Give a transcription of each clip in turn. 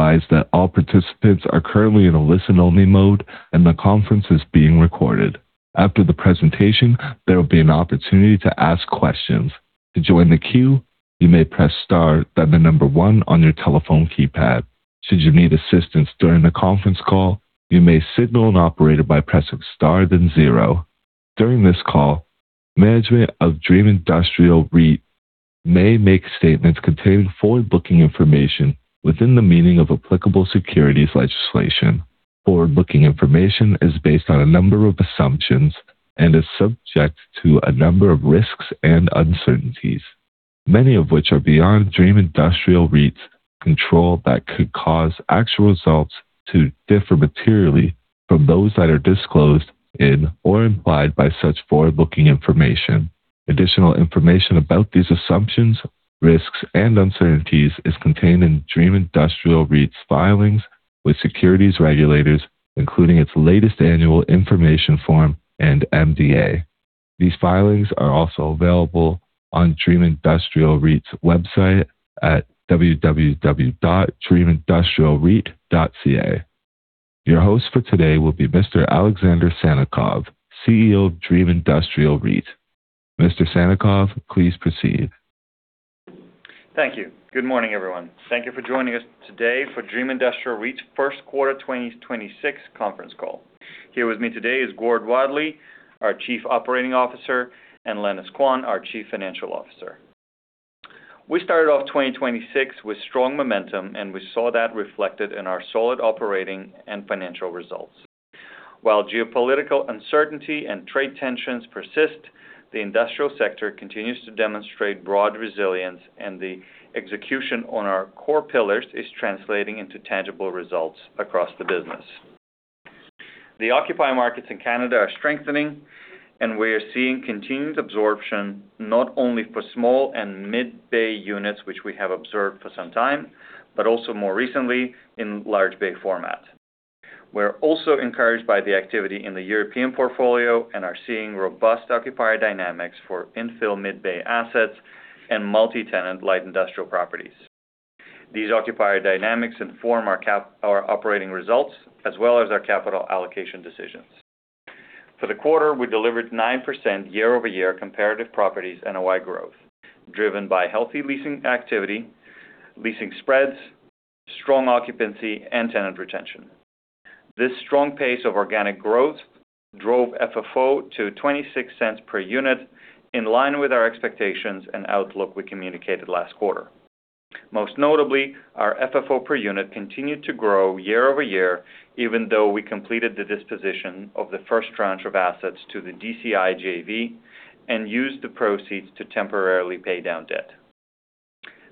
During this call, management of Dream Industrial REIT may make statements containing forward-looking information within the meaning of applicable securities legislation. Forward-looking information is based on a number of assumptions and is subject to a number of risks and uncertainties, many of which are beyond Dream Industrial REIT's control that could cause actual results to differ materially from those that are disclosed in or implied by such forward-looking information. Additional information about these assumptions, risks, and uncertainties is contained in Dream Industrial REIT's filings with securities regulators, including its latest annual information form and MDA. These filings are also available on Dream Industrial REIT's website at www.dreamindustrialreit.ca. Your host for today will be Mr. Alexander Sannikov, CEO of Dream Industrial REIT. Mr. Sannikov, please proceed. Thank you. Good morning, everyone. Thank you for joining us today for Dream Industrial REIT's first quarter 2026 conference call. Here with me today is Gord Wadley, our Chief Operating Officer, and Lenis Quan, our Chief Financial Officer. We started off 2026 with strong momentum, we saw that reflected in our solid operating and financial results. While geopolitical uncertainty and trade tensions persist, the industrial sector continues to demonstrate broad resilience, the execution on our core pillars is translating into tangible results across the business. The occupier markets in Canada are strengthening, we are seeing continued absorption, not only for small and mid-bay units, which we have observed for some time, but also more recently in large bay format. We're also encouraged by the activity in the European portfolio, are seeing robust occupier dynamics for infill mid-bay assets and multi-tenant light industrial properties. These occupier dynamics inform our operating results as well as our capital allocation decisions. For the quarter, we delivered 9% year-over-year comparative properties NOI growth, driven by healthy leasing activity, leasing spreads, strong occupancy, and tenant retention. This strong pace of organic growth drove FFO to 0.26 per unit, in line with our expectations and outlook we communicated last quarter. Most notably, our FFO per unit continued to grow year-over-year, even though we completed the disposition of the first tranche of assets to the DCI JV and used the proceeds to temporarily pay down debt.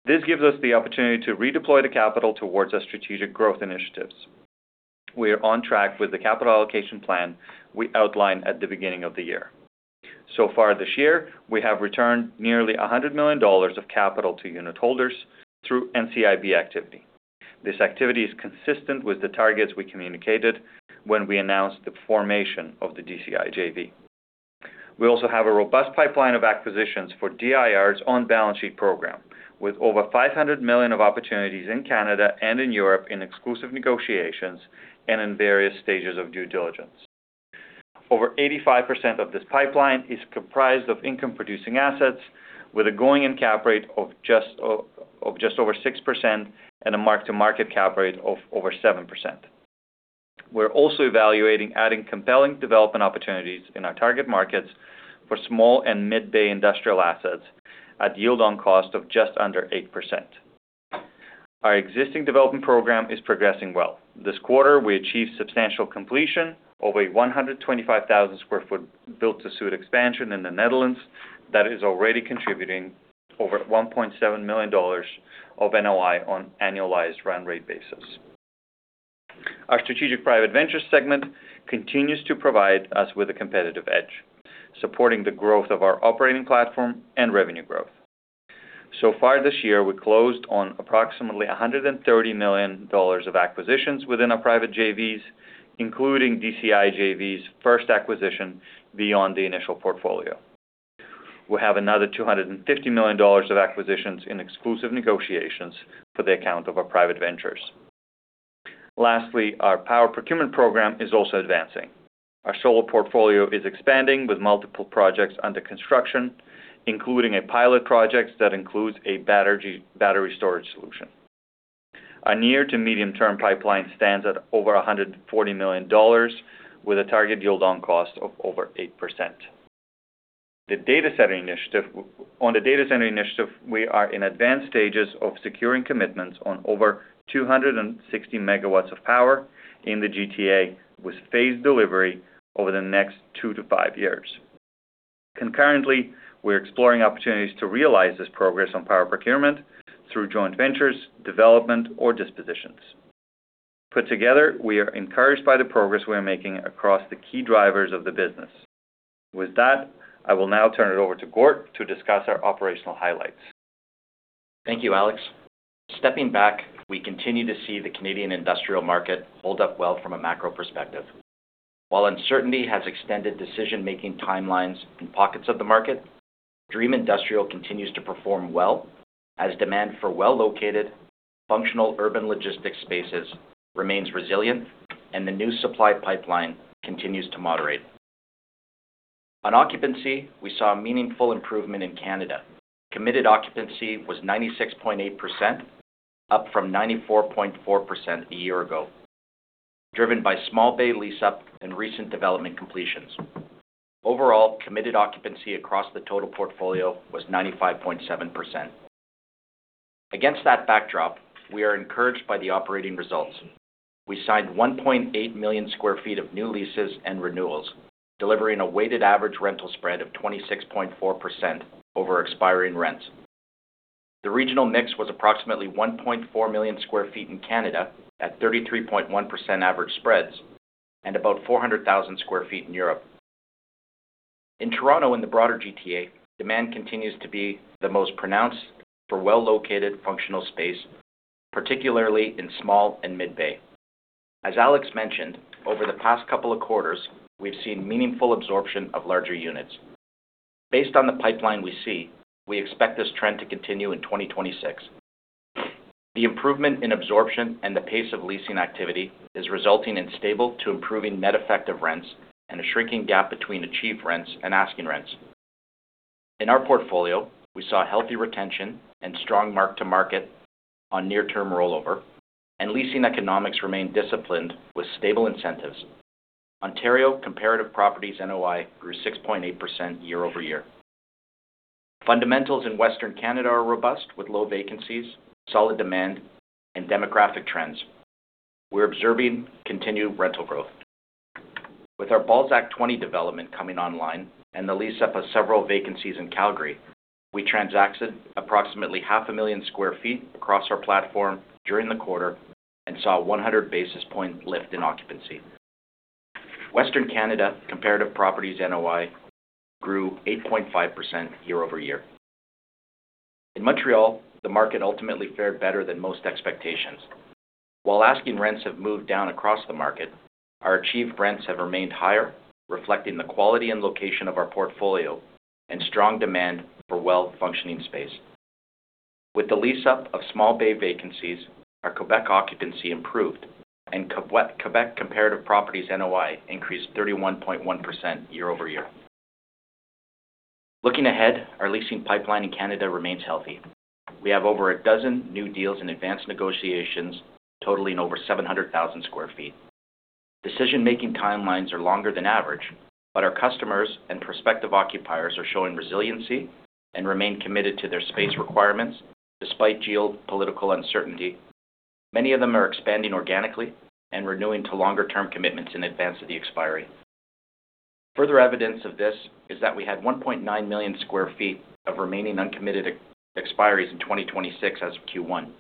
This gives us the opportunity to redeploy the capital towards our strategic growth initiatives. We are on track with the capital allocation plan we outlined at the beginning of the year. Far this year, we have returned nearly 100 million dollars of capital to unit holders through NCIB activity. This activity is consistent with the targets we communicated when we announced the formation of the DCI JV. We also have a robust pipeline of acquisitions for DIR's on-balance-sheet program, with over 500 million of opportunities in Canada and in Europe in exclusive negotiations and in various stages of due diligence. Over 85% of this pipeline is comprised of income-producing assets with a going-in cap rate of just over 6% and a mark-to-market cap rate of over 7%. We're also evaluating adding compelling development opportunities in our target markets for small and mid-bay industrial assets at yield on cost of just under 8%. Our existing development program is progressing well. This quarter, we achieved substantial completion over a 125,000 sq ft built-to-suit expansion in the Netherlands that is already contributing over 1.7 million dollars of NOI on annualized run rate basis. Our strategic private ventures segment continues to provide us with a competitive edge, supporting the growth of our operating platform and revenue growth. So far this year, we closed on approximately 130 million dollars of acquisitions within our private JVs, including DCI JV's first acquisition beyond the initial portfolio. We have another 250 million dollars of acquisitions in exclusive negotiations for the account of our private ventures. Our power procurement program is also advancing. Our solar portfolio is expanding with multiple projects under construction, including a pilot project that includes a battery storage solution. Our near to medium-term pipeline stands at over 140 million dollars with a target yield on cost of over 8%. On the data center initiative, we are in advanced stages of securing commitments on over 260 MW of power in the GTA with phased delivery over the next 2-5 years. Concurrently, we're exploring opportunities to realize this progress on power procurement through joint ventures, development, or dispositions. Put together, we are encouraged by the progress we are making across the key drivers of the business. With that, I will now turn it over to Gord to discuss our operational highlights. Thank you, Alex. Stepping back, we continue to see the Canadian industrial market hold up well from a macro perspective. While uncertainty has extended decision-making timelines in pockets of the market, Dream Industrial continues to perform well as demand for well-located, functional urban logistics spaces remains resilient and the new supply pipeline continues to moderate. On occupancy, we saw a meaningful improvement in Canada. Committed occupancy was 96.8%, up from 94.4% a year ago, driven by small bay lease up and recent development completions. Overall, committed occupancy across the total portfolio was 95.7%. Against that backdrop, we are encouraged by the operating results. We signed 1,800,000 sq ft of new leases and renewals, delivering a weighted average rental spread of 26.4% over expiring rents. The regional mix was approximately 1,400,000 sq ft in Canada at 33.1% average spreads and about 400,000 sq ft in Europe. In Toronto and the broader GTA, demand continues to be the most pronounced for well-located functional space, particularly in small and mid-bay. As Alex mentioned, over the past couple of quarters, we've seen meaningful absorption of larger units. Based on the pipeline we see, we expect this trend to continue in 2026. The improvement in absorption and the pace of leasing activity is resulting in stable to improving net effective rents and a shrinking gap between achieved rents and asking rents. In our portfolio, we saw healthy retention and strong mark to market on near term rollover, and leasing economics remained disciplined with stable incentives. Ontario comparative properties NOI grew 6.8% year-over-year. Fundamentals in Western Canada are robust with low vacancies, solid demand, and demographic trends. We're observing continued rental growth. With our Balzac 20 development coming online and the lease up of several vacancies in Calgary, we transacted approximately 500,000 sq ft across our platform during the quarter and saw 100 basis point lift in occupancy. Western Canada comparative properties NOI grew 8.5% year-over-year. In Montreal, the market ultimately fared better than most expectations. While asking rents have moved down across the market, our achieved rents have remained higher, reflecting the quality and location of our portfolio and strong demand for well-functioning space. With the lease up of small bay vacancies, our Quebec occupancy improved, and Quebec comparative properties NOI increased 31.1% year-over-year. Looking ahead, our leasing pipeline in Canada remains healthy. We have over a dozen new deals in advanced negotiations totaling over 700,000 sq ft. Decision-making timelines are longer than average, but our customers and prospective occupiers are showing resiliency and remain committed to their space requirements despite geopolitical uncertainty. Many of them are expanding organically and renewing to longer-term commitments in advance of the expiry. Further evidence of this is that we had 1,900,000 sq ft of remaining uncommitted expiries in 2026 as of Q1.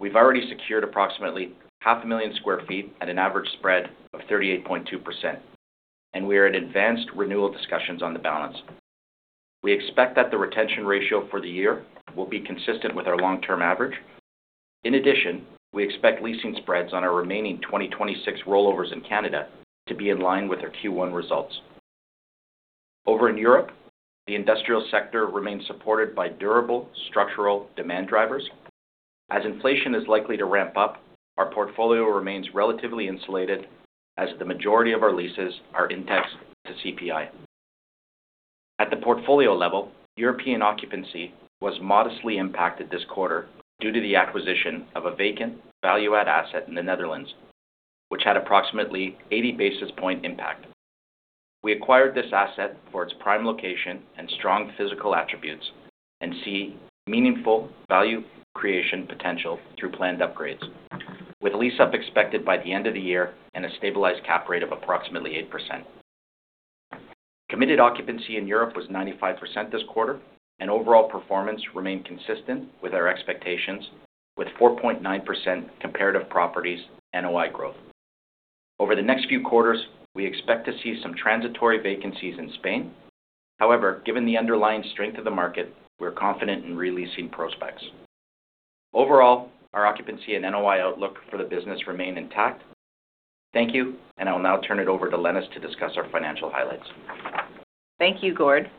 We've already secured approximately 500,000 sq ft at an average spread of 38.2%, and we are in advanced renewal discussions on the balance. We expect that the retention ratio for the year will be consistent with our long-term average. In addition, we expect leasing spreads on our remaining 2026 rollovers in Canada to be in line with our Q1 results. Over in Europe, the industrial sector remains supported by durable structural demand drivers. As inflation is likely to ramp up, our portfolio remains relatively insulated as the majority of our leases are indexed to CPI. At the portfolio level, European occupancy was modestly impacted this quarter due to the acquisition of a vacant value add asset in the Netherlands, which had approximately 80 basis point impact. We acquired this asset for its prime location and strong physical attributes and see meaningful value creation potential through planned upgrades, with a lease up expected by the end of the year and a stabilized cap rate of approximately 8%. Committed occupancy in Europe was 95% this quarter, and overall performance remained consistent with our expectations with 4.9% comparative properties NOI growth. Over the next few quarters, we expect to see some transitory vacancies in Spain. Given the underlying strength of the market, we're confident in re-leasing prospects. Overall, our occupancy and NOI outlook for the business remain intact. Thank you, and I will now turn it over to Lenis to discuss our financial highlights. Thank you, Gord.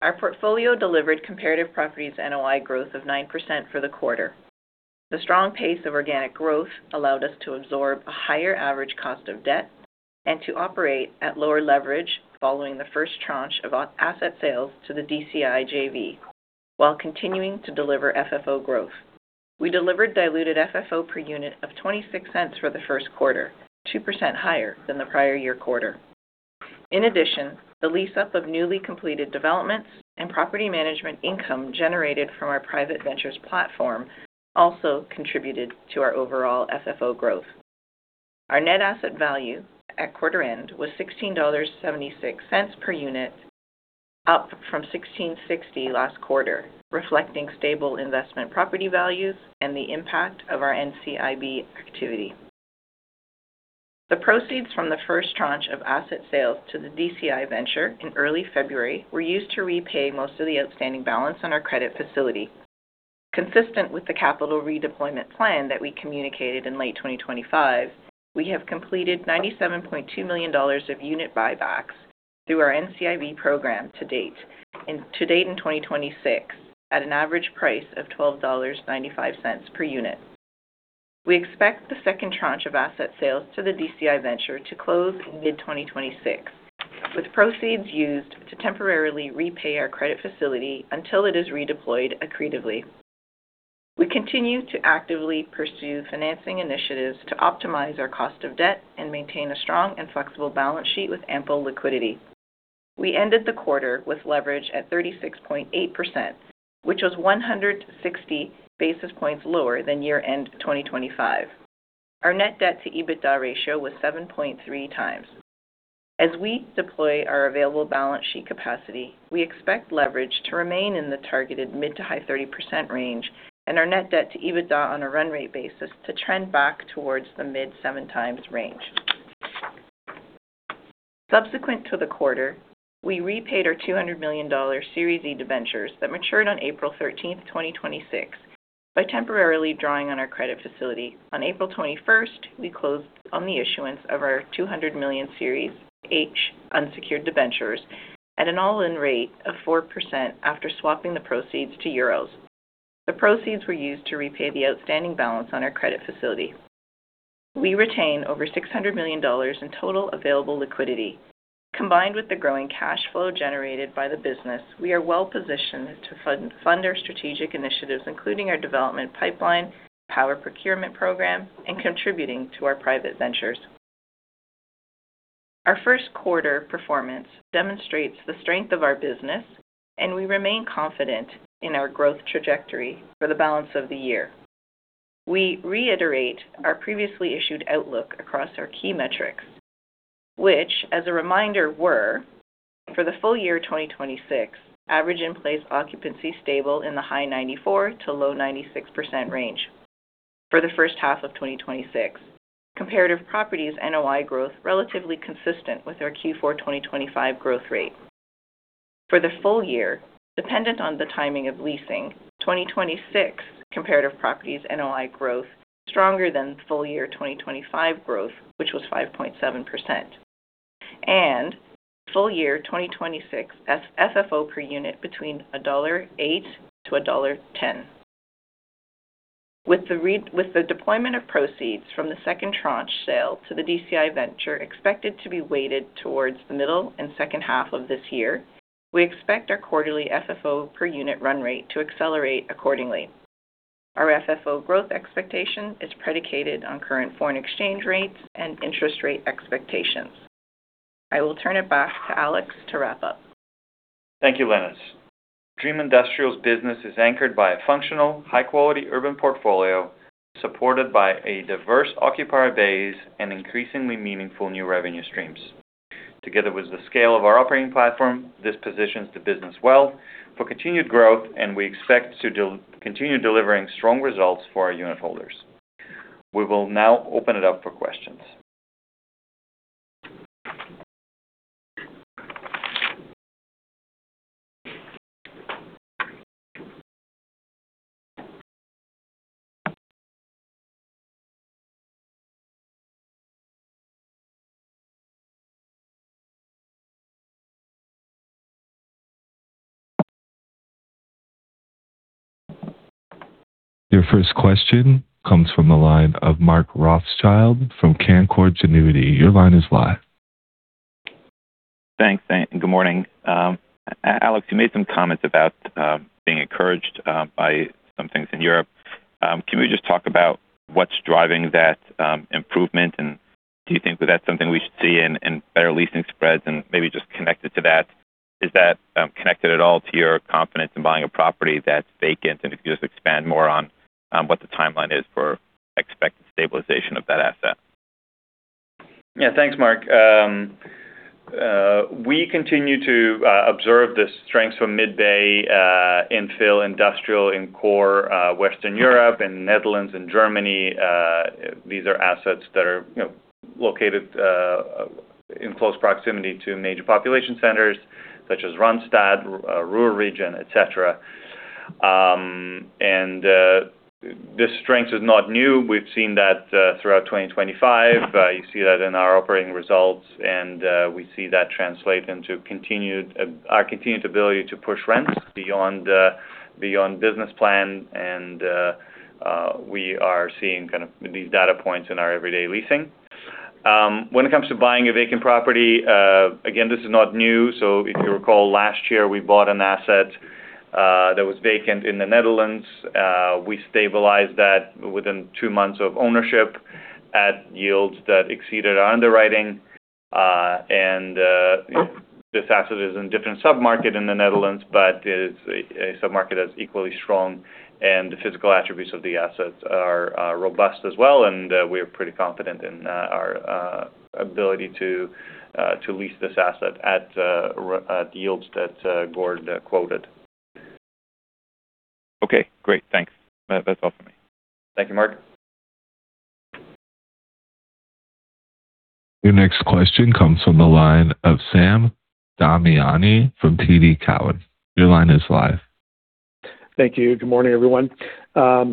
Our portfolio delivered comparative properties NOI growth of 9% for the quarter. The strong pace of organic growth allowed us to absorb a higher average cost of debt and to operate at lower leverage following the first tranche of our asset sales to the DCI JV, while continuing to deliver FFO growth. We delivered diluted FFO per unit of 0.26 for the first quarter, 2% higher than the prior year quarter. In addition, the lease up of newly completed developments and property management income generated from our private ventures platform also contributed to our overall FFO growth. Our net asset value at quarter end was 16.76 dollars per unit, up from 16.60 last quarter, reflecting stable investment property values and the impact of our NCIB activity. The proceeds from the first tranche of asset sales to the DCI JV in early February were used to repay most of the outstanding balance on our credit facility. Consistent with the capital redeployment plan that we communicated in late 2025, we have completed 97.2 million dollars of unit buybacks through our NCIB program to date. To date in 2026 at an average price of 12.95 dollars per unit. We expect the second tranche of asset sales to the DCI JV to close mid-2026, with proceeds used to temporarily repay our credit facility until it is redeployed accretively. We continue to actively pursue financing initiatives to optimize our cost of debt and maintain a strong and flexible balance sheet with ample liquidity. We ended the quarter with leverage at 36.8%, which was 160 basis points lower than year-end 2025. Our net debt to EBITDA ratio was 7.3x. As we deploy our available balance sheet capacity, we expect leverage to remain in the targeted mid to high 30% range and our net debt to EBITDA on a run rate basis to trend back towards the mid 7x range. Subsequent to the quarter, we repaid our 200 million dollar Series E debentures that matured on April 13th, 2026 by temporarily drawing on our credit facility. On April 21st, we closed on the issuance of our 200 million Series H unsecured debentures at an all-in rate of 4% after swapping the proceeds to euros. The proceeds were used to repay the outstanding balance on our credit facility. We retain over 600 million dollars in total available liquidity. Combined with the growing cash flow generated by the business, we are well positioned to fund our strategic initiatives, including our development pipeline, power procurement program, and contributing to our private ventures. Our first quarter performance demonstrates the strength of our business, and we remain confident in our growth trajectory for the balance of the year. We reiterate our previously issued outlook across our key metrics, which as a reminder, were for the full year 2026, average in-place occupancy stable in the high 94%-96% range. For the first half of 2026, comparative properties NOI growth relatively consistent with our Q4 2025 growth rate. For the full year, dependent on the timing of leasing, 2026 comparative properties NOI growth stronger than full year 2025 growth, which was 5.7%. Full year 2026 FFO per unit between 1.08-1.10 dollar. With the deployment of proceeds from the second tranche sale to the DCI JV expected to be weighted towards the middle and second half of this year, we expect our quarterly FFO per unit run rate to accelerate accordingly. Our FFO growth expectation is predicated on current foreign exchange rates and interest rate expectations. I will turn it back to Alex to wrap up. Thank you, Lenis. Dream Industrial's business is anchored by a functional, high-quality urban portfolio, supported by a diverse occupier base and increasingly meaningful new revenue streams. Together with the scale of our operating platform, this positions the business well for continued growth, and we expect to continue delivering strong results for our unit holders. We will now open it up for questions. Your first question comes from the line of Mark Rothschild from Canaccord Genuity. Your line is live. Thanks. Good morning. Alex, you made some comments about being encouraged by some things in Europe. Can we just talk about what's driving that improvement? Do you think that that's something we should see in better leasing spreads? Maybe just connected to that, is that connected at all to your confidence in buying a property that's vacant? If you could just expand more on what the timeline is for expected stabilization of that asset. Yeah. Thanks, Mark. We continue to observe the strength from mid-bay infill industrial in core Western Europe and Netherlands and Germany. These are assets that are, you know, located in close proximity to major population centers such as Randstad, Ruhr region, et cetera. This strength is not new. We've seen that throughout 2025. You see that in our operating results, we see that translate into our continued ability to push rents beyond beyond business plan. We are seeing kind of these data points in our everyday leasing. When it comes to buying a vacant property, again, this is not new. If you recall, last year we bought an asset that was vacant in the Netherlands. We stabilized that within two months of ownership at yields that exceeded our underwriting. This asset is in different sub-market in the Netherlands, but it's a sub-market that's equally strong, and the physical attributes of the assets are robust as well. We are pretty confident in our ability to lease this asset at yields that Gord quoted. Okay, great. Thanks. That's all for me. Thank you, Mark. Your next question comes from the line of Sam Damiani from TD Cowen. Your line is live. Thank you. Good morning, everyone.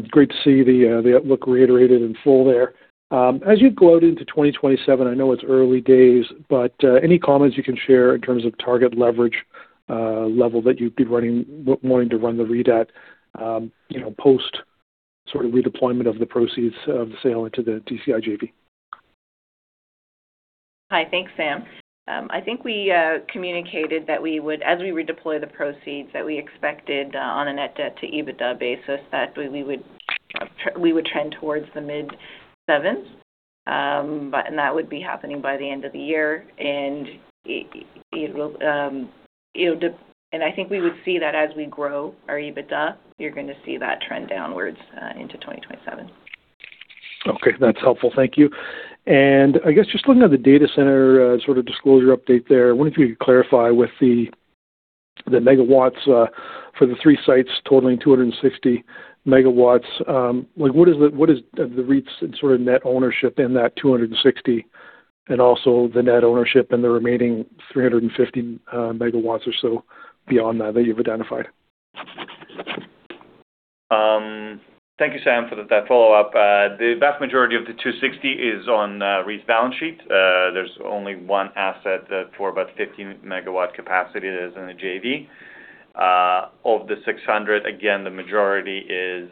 Great to see the outlook reiterated in full there. As you go out into 2027, I know it's early days, but any comments you can share in terms of target leverage level that you'd be wanting to run the REIT at, you know, post sort of redeployment of the proceeds of the sale into the DCI JV? Hi. Thanks, Sam. I think we communicated that as we redeploy the proceeds that we expected on a net debt to EBITDA basis, that we would trend towards the mid-sevenths. That would be happening by the end of the year. It will. I think we would see that as we grow our EBITDA, you're gonna see that trend downwards into 2027. Okay. That's helpful. Thank you. I guess just looking at the data center, sort of disclosure update there. I wonder if you could clarify with the megawatts, for the three sites totaling 260 MW. Like, what is the, what is the REIT's sort of net ownership in that 260 MW, and also the net ownership in the remaining 350 MW or so beyond that you've identified? Thank you, Sam, for that follow-up. The vast majority of the 260 MW is on REIT's balance sheet. There's only one asset for about 15 MW capacity that is in the JV. Of the 600 MW, again, the majority is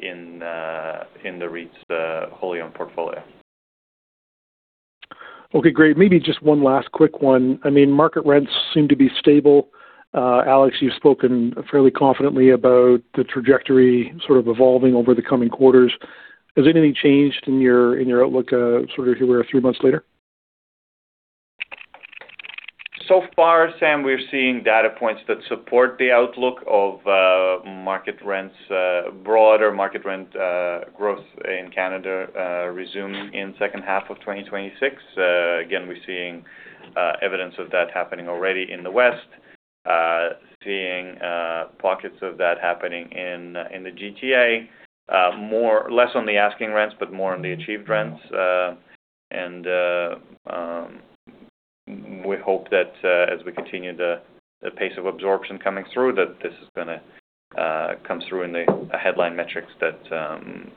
in the REIT's wholly owned portfolio. Okay, great. Maybe just one last quick one. I mean, market rents seem to be stable. Alex, you've spoken fairly confidently about the trajectory sort of evolving over the coming quarters. Has anything changed in your, in your outlook, sort of here we are three months later? So far, Sam, we're seeing data points that support the outlook of market rents, broader market rent growth in Canada, resume in second half of 2026. Again, we're seeing evidence of that happening already in the West. Seeing pockets of that happening in the GTA. Less on the asking rents, but more on the achieved rents. We hope that as we continue the pace of absorption coming through, that this is gonna come through in the headline metrics that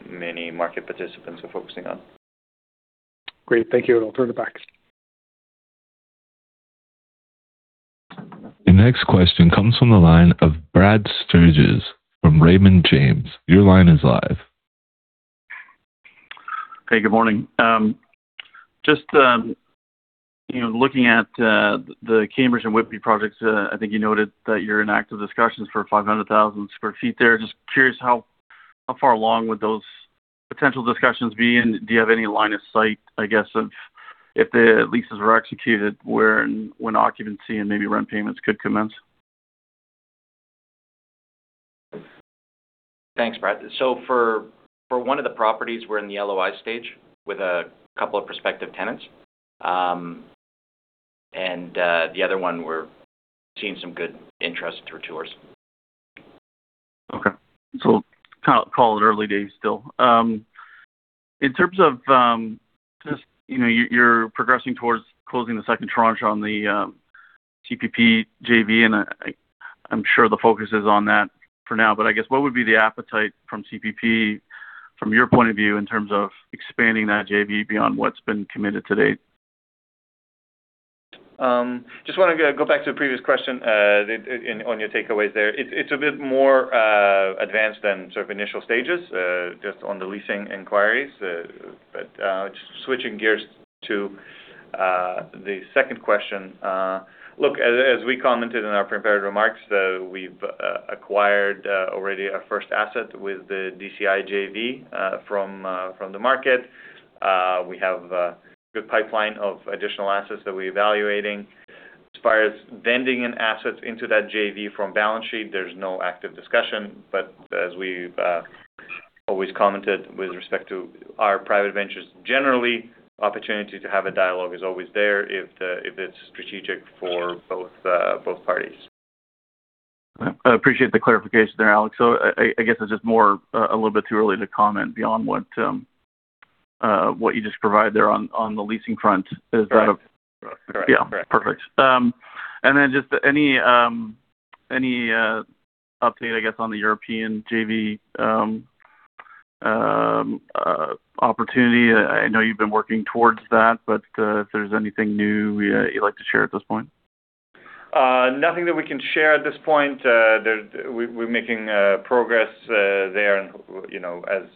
many market participants are focusing on. Great. Thank you. I'll turn it back. The next question comes from the line of Brad Sturges from Raymond James. Your line is live. Hey, good morning. Just, you know, looking at the Cambridge and Whitby projects, I think you noted that you're in active discussions for 500,000 sq ft there. Just curious how far along would those potential discussions be? Do you have any line of sight, I guess of if the leases were executed, where and when occupancy and maybe rent payments could commence? Thanks, Brad. For one of the properties we're in the LOI stage with a couple of prospective tenants. The other one we're seeing some good interest through tours. Okay. Call it early days still. In terms of, just, you know, you're progressing towards closing the second tranche on the CPP JV, and I'm sure the focus is on that for now, but I guess what would be the appetite from CPP from your point of view in terms of expanding that JV beyond what's been committed to date? Just wanna go back to the previous question, in, on your takeaways there. It's, it's a bit more advanced than sort of initial stages, just on the leasing inquiries. Switching gears to the second question. As we commented in our prepared remarks, we've acquired already our first asset with the DCI JV from from the market. We have a good pipeline of additional assets that we're evaluating. As far as vending in assets into that JV from balance sheet, there's no active discussion. As we've always commented with respect to our private ventures, generally, opportunity to have a dialogue is always there if it's strategic for both both parties. I appreciate the clarification there, Alex. I guess it's just more, a little bit too early to comment beyond what you just provided there on the leasing front. Is that? Right. Yeah. Perfect. Then just any update, I guess, on the European JV opportunity? I know you've been working towards that, but if there's anything new you'd like to share at this point. Nothing that we can share at this point. We're making progress there and, you know, as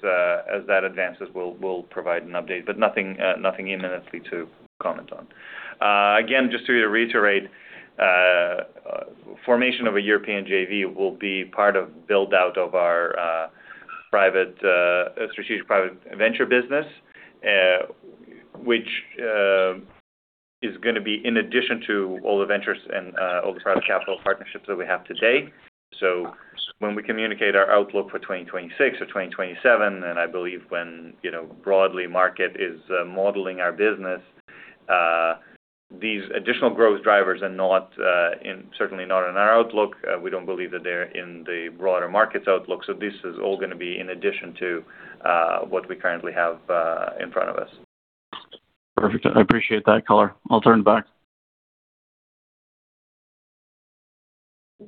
that advances, we'll provide an update, but nothing imminently to comment on. Again, just to reiterate, formation of a European JV will be part of build out of our private strategic private venture business, which is gonna be in addition to all the ventures and all the private capital partnerships that we have today. When we communicate our outlook for 2026 or 2027, and I believe when, you know, broadly market is modeling our business, these additional growth drivers are not certainly not in our outlook. We don't believe that they're in the broader markets outlook. This is all gonna be in addition to what we currently have in front of us. Perfect. I appreciate that color. I'll turn it back.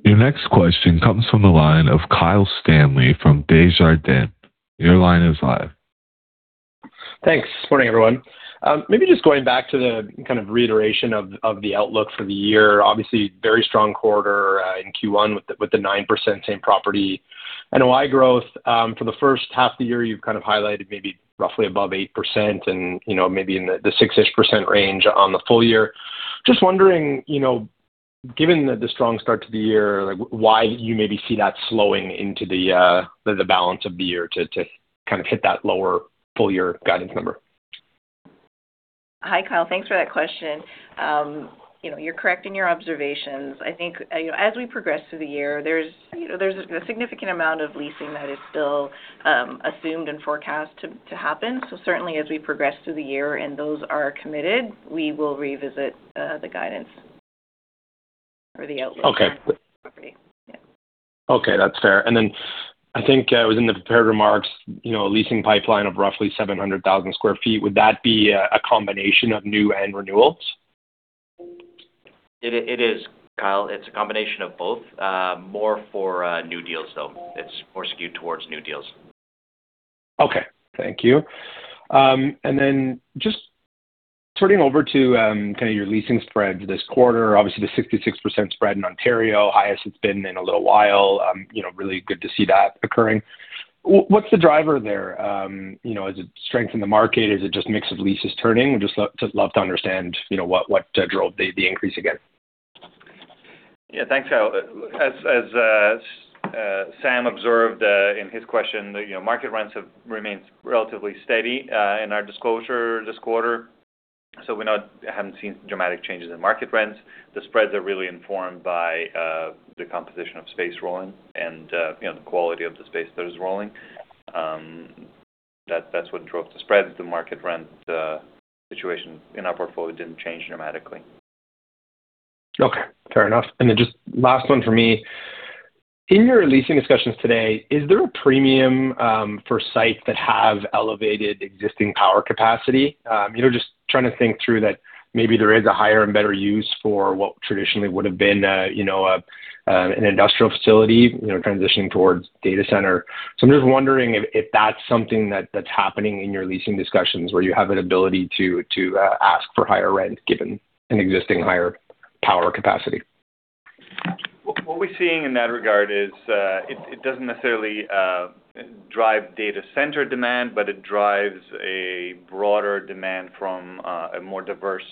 Your next question comes from the line of Kyle Stanley from Desjardins. Your line is live. Thanks. Morning, everyone. Maybe just going back to the kind of reiteration of the outlook for the year. Obviously, very strong quarter in Q1 with the 9% same property NOI growth. For the first half of the year, you've kind of highlighted maybe roughly above 8% and, you know, maybe in the 6%-ish range on the full year. Just wondering, you know, given the strong start to the year, like why you maybe see that slowing into the balance of the year to kind of hit that lower full year guidance number. Hi, Kyle. Thanks for that question. You know, you're correct in your observations. I think, you know, as we progress through the year, there's, you know, there's a significant amount of leasing that is still assumed and forecast to happen. Certainly, as we progress through the year and those are committed, we will revisit the guidance or the outlook. Okay. Sorry. Yeah. Okay. That's fair. I think it was in the prepared remarks, you know, a leasing pipeline of roughly 700,000 sq ft. Would that be a combination of new and renewals? It is, Kyle. It's a combination of both. More for new deals, though. It's more skewed towards new deals. Okay. Thank you. Just turning over to kind of your leasing spreads this quarter. Obviously, the 66% spread in Ontario, highest it's been in a little while. You know, really good to see that occurring. What's the driver there? You know, is it strength in the market? Is it just mix of leases turning? Would just love to understand, you know, what drove the increase again. Yeah. Thanks, Kyle. As Sam observed in his question that, you know, market rents have remained relatively steady in our disclosure this quarter, we haven't seen dramatic changes in market rents. The spreads are really informed by the composition of space rolling and, you know, the quality of the space that is rolling. That's what drove the spread. The market rent situation in our portfolio didn't change dramatically. Okay. Fair enough. Just last one for me. In your leasing discussions today, is there a premium for sites that have elevated existing power capacity? You know, just trying to think through that maybe there is a higher and better use for what traditionally would've been, you know, an industrial facility, you know, transitioning towards data center. I'm just wondering if that's something that's happening in your leasing discussions where you have an ability to ask for higher rent given an existing higher power capacity. What we're seeing in that regard is, it doesn't necessarily drive data center demand, but it drives a broader demand from a more diverse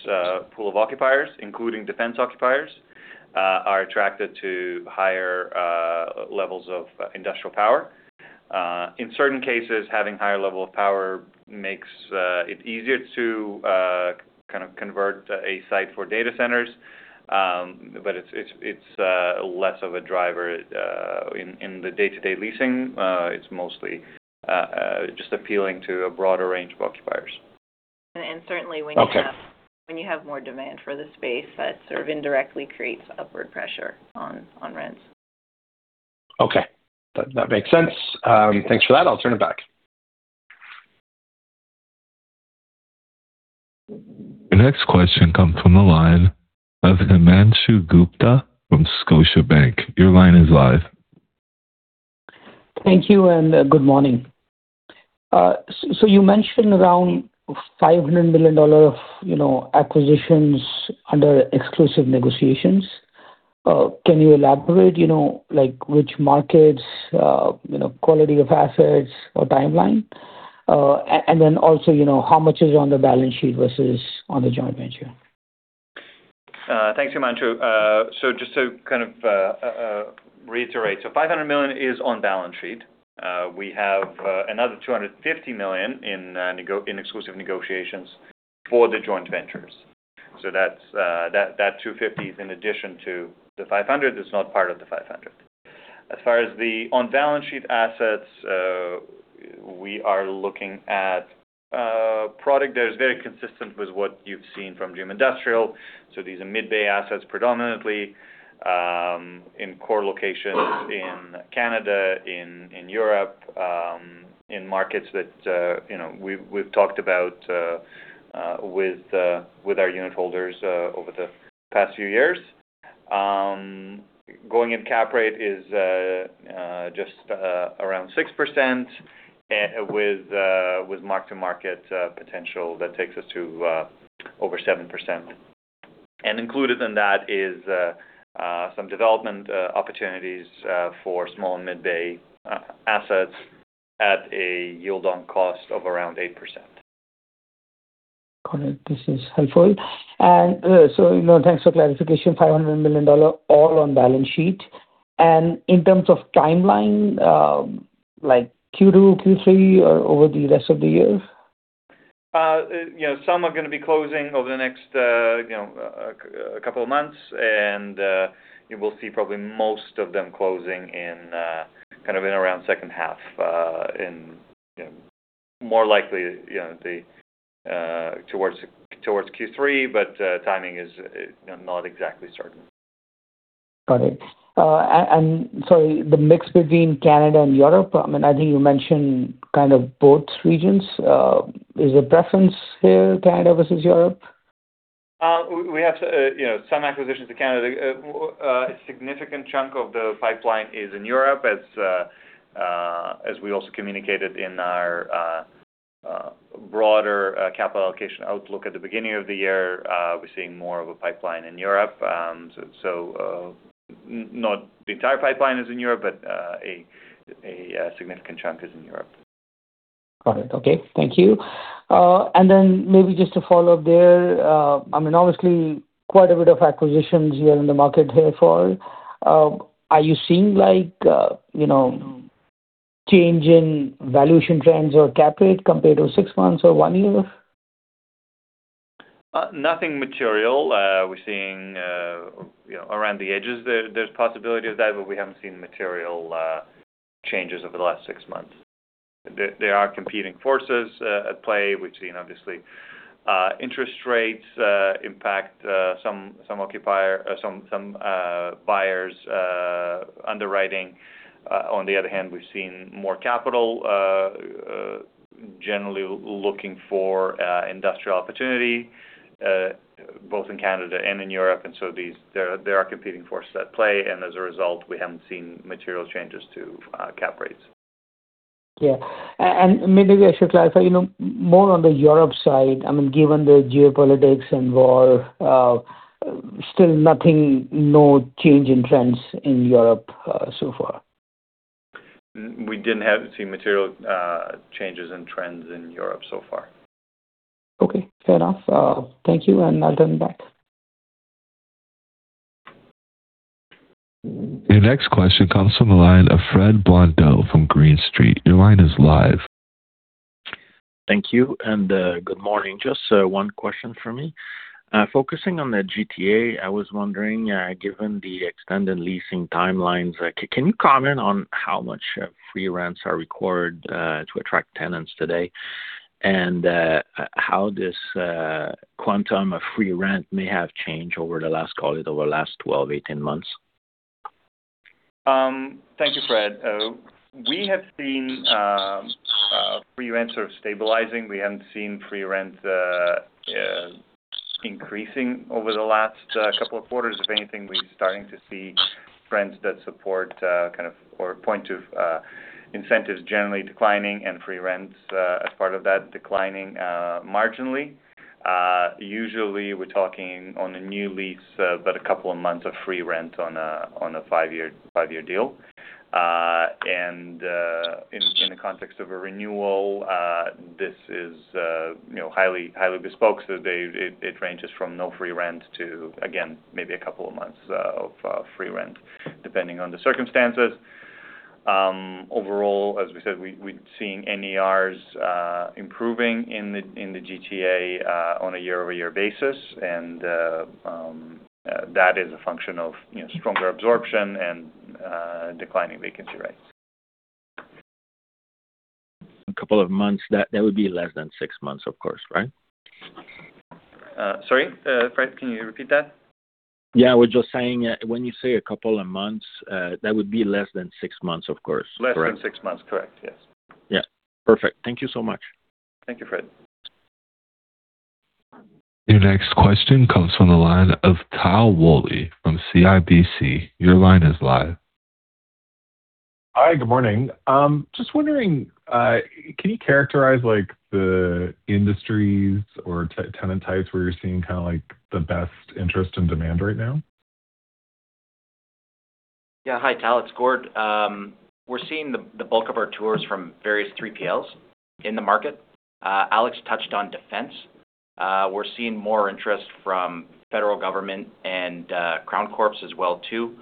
pool of occupiers, including defense occupiers, are attracted to higher levels of industrial power. In certain cases, having higher level of power makes it easier to kind of convert a site for data centers. But it's, it's less of a driver in the day-to-day leasing. It's mostly just appealing to a broader range of occupiers. And certainly when you have- Okay. When you have more demand for the space, that sort of indirectly creates upward pressure on rents. Okay. That makes sense. Thanks for that. I'll turn it back. The next question comes from the line of Himanshu Gupta from Scotiabank. Your line is live. Thank you, and good morning. You mentioned around 500 million dollar of, you know, acquisitions under exclusive negotiations. Can you elaborate, you know, like which markets, you know, quality of assets or timeline? Then also, you know, how much is on the balance sheet versus on the joint venture? Thanks, Himanshu. Just to kind of reiterate. 500 million is on balance sheet. We have another 250 million in exclusive negotiations for the joint ventures. That's that 250 million is in addition to the 500 million. It's not part of the 500 million. As far as the on balance sheet assets, we are looking at product that is very consistent with what you've seen from Dream Industrial. These are mid-bay assets predominantly, in core locations in Canada, in Europe, in markets that, you know, we've talked about with our unit holders over the past few years. Going in cap rate is just around 6% with mark-to-market potential that takes us to over 7%. Included in that is some development opportunities for small and mid-bay assets at a yield on cost of around 8%. Got it. This is helpful. You know, thanks for clarification. 500 million dollar all on balance sheet. In terms of timeline, like Q2, Q3, or over the rest of the year? You know, some are gonna be closing over the next, you know, a couple of months. You will see probably most of them closing in, kind of in around second half, more likely towards Q3, but timing is, you know, not exactly certain. Got it. The mix between Canada and Europe, I mean, I think you mentioned kind of both regions. Is there preference here, Canada versus Europe? We have to, you know, some acquisitions to Canada. A significant chunk of the pipeline is in Europe as we also communicated in our broader capital allocation outlook at the beginning of the year. We're seeing more of a pipeline in Europe. Not the entire pipeline is in Europe, but a significant chunk is in Europe. Got it. Okay. Thank you. Then maybe just to follow up there, I mean, obviously quite a bit of acquisitions here in the market here for, are you seeing like, you know, change in valuation trends or cap rate compared to six months or one year? Nothing material. We're seeing, you know, around the edges there's possibility of that, but we haven't seen material changes over the last six months. There are competing forces at play. We've seen obviously interest rates impact some occupier or some buyers' underwriting. On the other hand, we've seen more capital generally looking for industrial opportunity both in Canada and in Europe. There are competing forces at play, and as a result, we haven't seen material changes to cap rates. Yeah. Maybe I should clarify, you know, more on the Europe side, I mean, given the geopolitics and war, still nothing, no change in trends in Europe, so far? We didn't see material changes in trends in Europe so far. Okay. Fair enough. Thank you, and I'll turn it back. Your next question comes from the line of Fred Blondeau from Green Street. Your line is live. Thank you, and good morning. Just one question from me. Focusing on the GTA, I was wondering, given the extended leasing timelines, can you comment on how much free rents are required to attract tenants today, and how this quantum of free rent may have changed over the last, call it, over the last 12-18 months? Thank you, Fred. We have seen free rents sort of stabilizing. We haven't seen free rents increasing over the last two quarters. If anything, we're starting to see trends that support kind of or point to incentives generally declining and free rents as part of that declining marginally. Usually we're talking on a new lease about two months of free rent on a five-year deal. In the context of a renewal, this is, you know, highly bespoke, so it ranges from no free rent to, again, maybe two months of free rent depending on the circumstances. Overall, as we said, we're seeing NERs improving in the GTA on a year-over-year basis. That is a function of, you know, stronger absorption and declining vacancy rates. A couple of months, that would be less than six months, of course, right? Sorry, Fred, can you repeat that? Yeah. I was just saying, when you say a couple of months, that would be less than six months, of course, correct? Less than six months, correct. Yes. Yeah. Perfect. Thank you so much. Thank you, Fred. Your next question comes from the line of Tal Woolley from CIBC. Your line is live. Hi, good morning. Just wondering, can you characterize like the industries or tenant types where you're seeing kind of like the best interest and demand right now? Hi, Tal. It's Gord. We're seeing the bulk of our tours from various 3PLs in the market. Alex touched on defense. We're seeing more interest from federal government and Crown corporations as well too,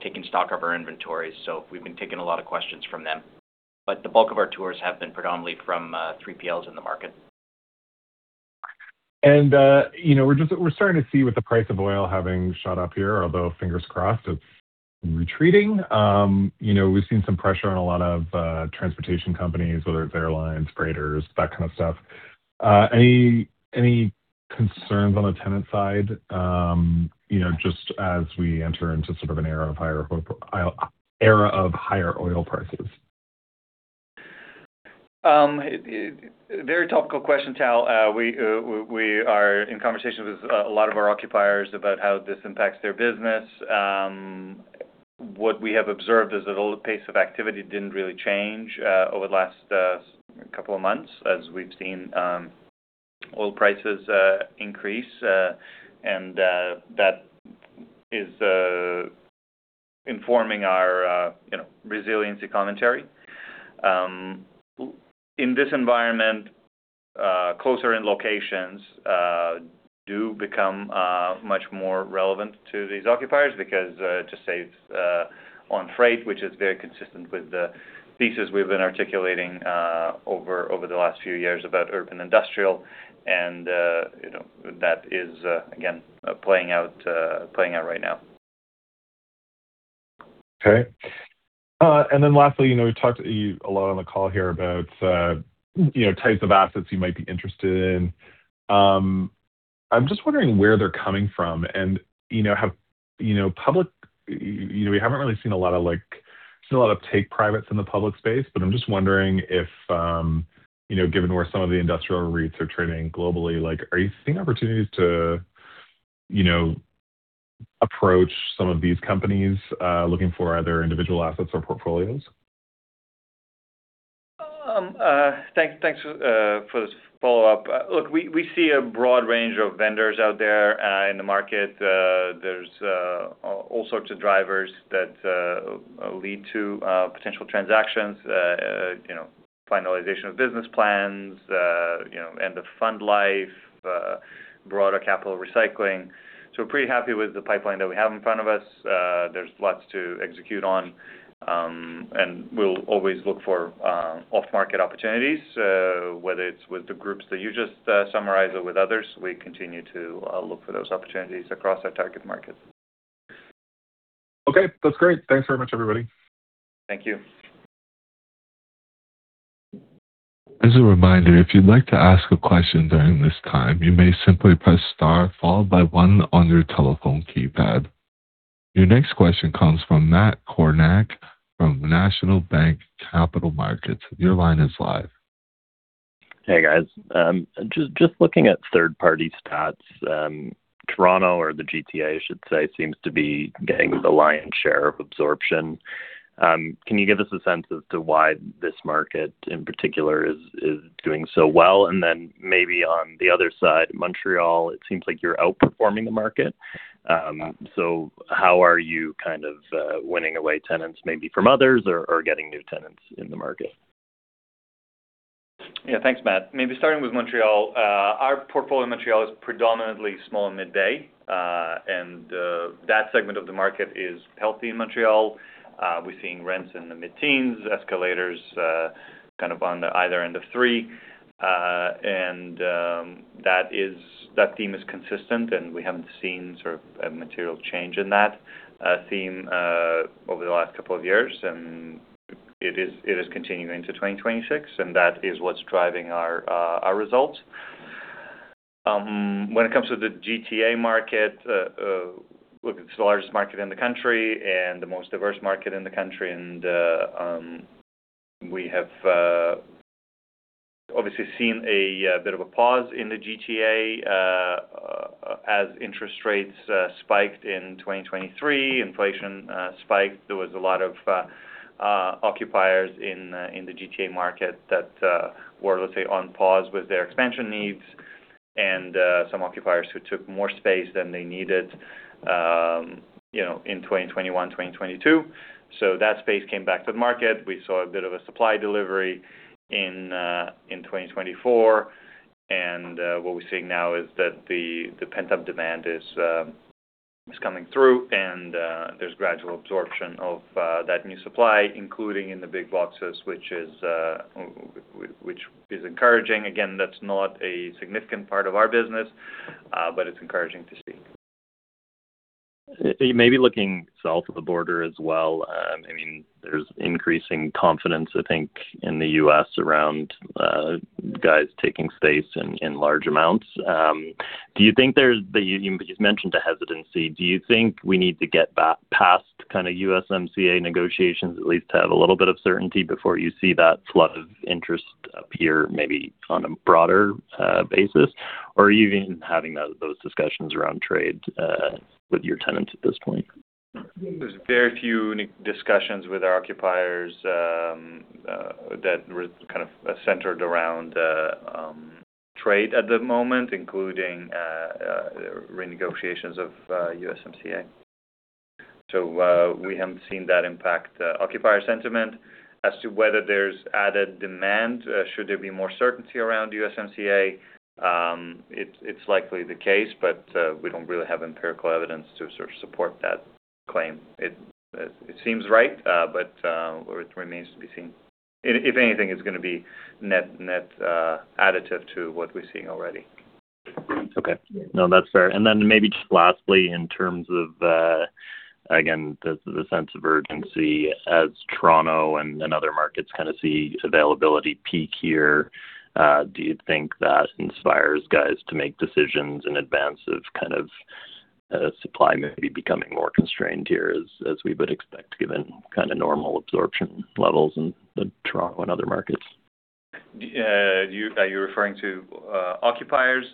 taking stock of our inventories. We've been taking a lot of questions from them. The bulk of our tours have been predominantly from 3PLs in the market. You know, we're starting to see with the price of oil having shot up here, although fingers crossed, it's retreating. You know, we've seen some pressure on a lot of transportation companies, whether it's airlines, freighters, that kind of stuff. Any concerns on the tenant side, you know, just as we enter into sort of an era of higher oil prices? Very topical question, Tal. We are in conversations with a lot of our occupiers about how this impacts their business. What we have observed is that the pace of activity didn't really change over the last couple of months as we've seen oil prices increase, and that is informing our, you know, resiliency commentary. In this environment, closer in locations do become much more relevant to these occupiers because to save on freight, which is very consistent with the thesis we've been articulating over the last few years about urban industrial. You know, that is again playing out right now. Okay. Lastly, you know, we talked a lot on the call here about, you know, types of assets you might be interested in. I'm just wondering where they're coming from and, you know, have, you know, we haven't really seen a lot of take privates in the public space, but I'm just wondering if, you know, given where some of the industrial REITs are trading globally, like are you seeing opportunities to, you know, approach some of these companies, looking for other individual assets or portfolios? Thanks for the follow-up. Look, we see a broad range of vendors out there in the market. There's all sorts of drivers that lead to potential transactions, you know, finalization of business plans, you know, end of fund life, broader capital recycling. We're pretty happy with the pipeline that we have in front of us. There's lots to execute on. We'll always look for off-market opportunities, whether it's with the groups that you just summarized or with others. We continue to look for those opportunities across our target market. Okay. That's great. Thanks very much, everybody. Thank you. As a reminder, if you'd like to ask a question during this time, you may simply press star followed by one on your telephone keypad. Your next question comes from Matt Kornack from National Bank Capital Markets. Your line is live. Hey, guys. Just looking at third-party stats, Toronto or the GTA, I should say, seems to be getting the lion's share of absorption. Can you give us a sense as to why this market in particular is doing so well? Maybe on the other side, Montreal, it seems like you're outperforming the market. How are you kind of winning away tenants maybe from others or getting new tenants in the market? Yeah. Thanks, Matt. Maybe starting with Montreal, our portfolio in Montreal is predominantly small and mid-bay. That segment of the market is healthy in Montreal. We're seeing rents in the mid-teens, escalators, kind of on the either end of three. That theme is consistent, and we haven't seen sort of a material change in that theme over the last couple of years. It is continuing to 2026, and that is what's driving our results. When it comes to the GTA market, look, it's the largest market in the country and the most diverse market in the country. We have obviously seen a bit of a pause in the GTA as interest rates spiked in 2023, inflation spiked. There was a lot of occupiers in the GTA market that were, let's say, on pause with their expansion needs and some occupiers who took more space than they needed, you know, in 2021, 2022. That space came back to the market. We saw a bit of a supply delivery in 2024. What we're seeing now is that the pent-up demand is coming through and there's gradual absorption of that new supply, including in the big boxes, which is encouraging. Again, that's not a significant part of our business, but it's encouraging to see. Maybe looking south of the border as well. I mean, there's increasing confidence, I think, in the U.S. around guys taking space in large amounts. But you mentioned a hesitancy. Do you think we need to get past kind of USMCA negotiations at least to have a little bit of certainty before you see that flood of interest appear maybe on a broader basis? Are you even having those discussions around trade with your tenants at this point? There's very few any discussions with our occupiers that were kind of centered around trade at the moment, including renegotiations of USMCA. We haven't seen that impact occupier sentiment. As to whether there's added demand, should there be more certainty around USMCA, it's likely the case, but we don't really have empirical evidence to sort of support that claim. It seems right, or it remains to be seen. If anything, it's gonna be net, additive to what we're seeing already. Okay. No, that's fair. Maybe just lastly, in terms of, again, the sense of urgency as Toronto and other markets kind of see availability peak here, do you think that inspires guys to make decisions in advance of kind of, supply maybe becoming more constrained here as we would expect, given kind of normal absorption levels in Toronto and other markets? Do, are you referring to occupiers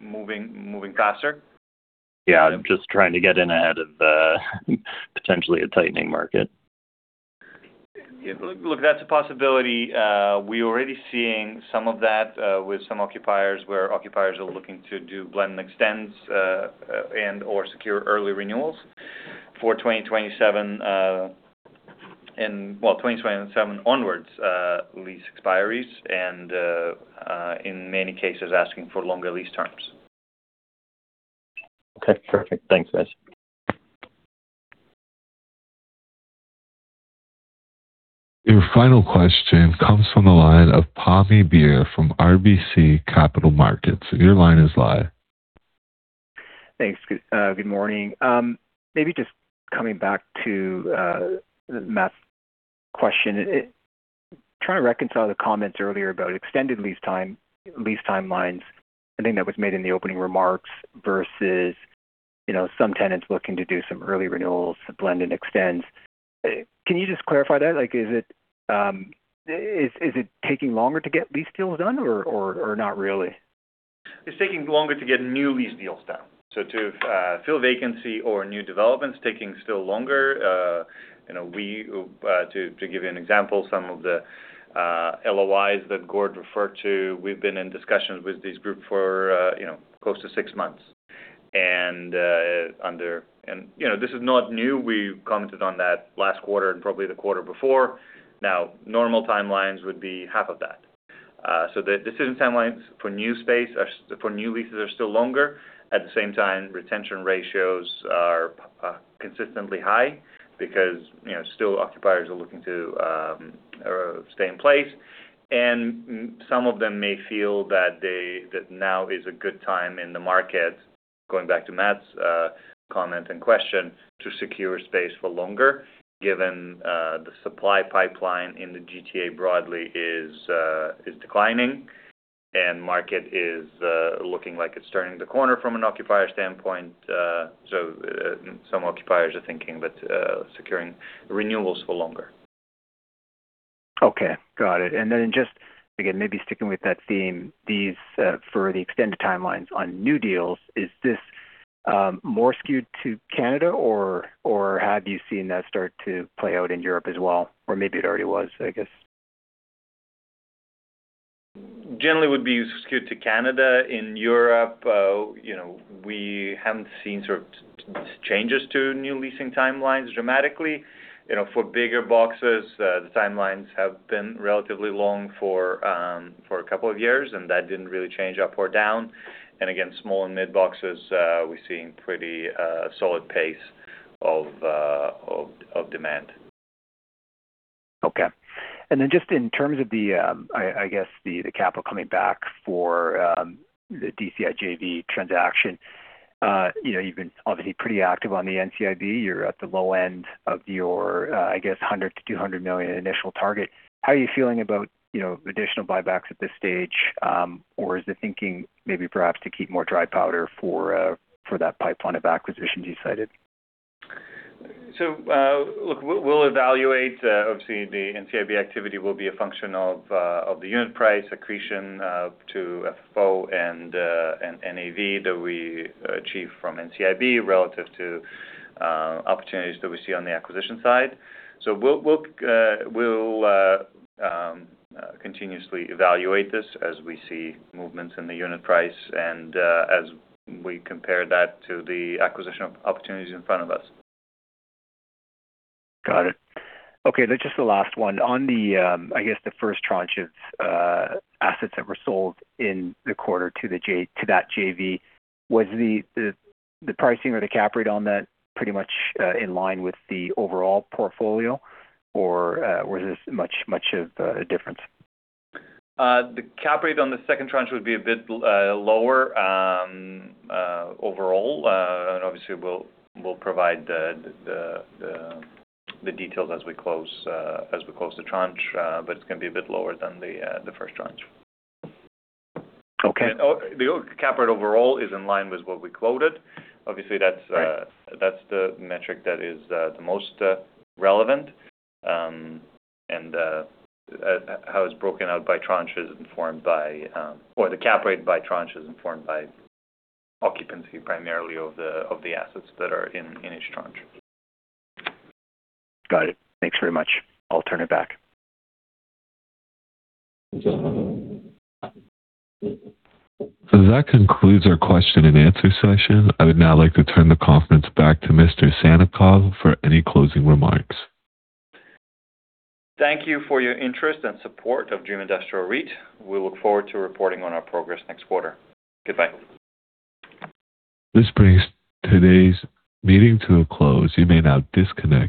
moving faster? Yeah. Just trying to get in ahead of potentially a tightening market. Yeah. Look, that's a possibility. We're already seeing some of that with some occupiers where occupiers are looking to do blend and extends and/or secure early renewals for 2027 and 2027 onwards lease expiries and in many cases, asking for longer lease terms. Okay. Perfect. Thanks, guys. Your final question comes from the line of Pammi Bir from RBC Capital Markets. Your line is live. Thanks. Good morning. Maybe just coming back to Matt's question. Trying to reconcile the comments earlier about extended lease time, lease timelines, I think that was made in the opening remarks, versus, you know, some tenants looking to do some early renewals to blend and extend. Can you just clarify that? Like, is it taking longer to get lease deals done or not really? It's taking longer to get new lease deals done. To fill vacancy or new developments, taking still longer. You know, to give you an example, some of the LOIs that Gord referred to, we've been in discussions with this group for, you know, close to six months. You know, this is not new. We commented on that last quarter and probably the quarter before. Normal timelines would be half of that. The decision timelines for new space are still longer. At the same time, retention ratios are consistently high because, you know, still occupiers are looking to stay in place. Some of them may feel that now is a good time in the market, going back to Matt's comment and question, to secure space for longer, given the supply pipeline in the GTA broadly is declining and market is looking like it's turning the corner from an occupier standpoint. Some occupiers are thinking that securing renewals for longer. Okay. Got it. Just, again, maybe sticking with that theme. These for the extended timelines on new deals, is this more skewed to Canada or have you seen that start to play out in Europe as well? Maybe it already was, I guess. Generally would be skewed to Canada. In Europe, you know, we haven't seen sort of changes to new leasing timelines dramatically. You know, for bigger boxes, the timelines have been relatively long for a couple of years, and that didn't really change up or down. Again, small and mid-bay, we're seeing pretty solid pace of demand. Okay. Just in terms of the, I guess the capital coming back for the DCI JV transaction, you know, you've been obviously pretty active on the NCIB. You're at the low end of your, I guess 100 million-200 million initial target. How are you feeling about, you know, additional buybacks at this stage? Or is the thinking maybe perhaps to keep more dry powder for that pipeline of acquisitions you cited? Look, we'll evaluate, obviously the NCIB activity will be a function of the unit price accretion to FFO and NAV that we achieve from NCIB relative to opportunities that we see on the acquisition side. We'll continuously evaluate this as we see movements in the unit price and as we compare that to the acquisition opportunities in front of us. Got it. Okay, just the last one. On the, I guess the first tranche of assets that were sold in the quarter to that JV, was the pricing or the cap rate on that pretty much in line with the overall portfolio or was this much of a difference? The cap rate on the second tranche would be a bit lower overall. Obviously we'll provide the details as we close the tranche, but it's gonna be a bit lower than the first tranche. Okay. The cap rate overall is in line with what we quoted. Right. That's the metric that is the most relevant. How it's broken out by tranches is informed by, or the cap rate by tranches is informed by occupancy primarily of the assets that are in each tranche. Got it. Thanks very much. I'll turn it back. That concludes our question and answer session. I would now like to turn the conference back to Mr. Sannikov for any closing remarks. Thank you for your interest and support of Dream Industrial REIT. We look forward to reporting on our progress next quarter. Goodbye. This brings today's meeting to a close. You may now disconnect.